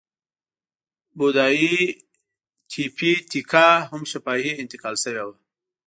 بودایي تیپي تیکا هم شفاهي انتقال شوې وه.